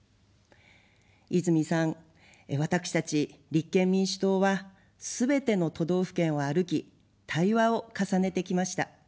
泉さん、私たち立憲民主党は、すべての都道府県を歩き、対話を重ねてきました。